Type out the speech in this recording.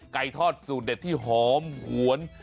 ไก่ทอดสูตรเด็ดที่หอมหวน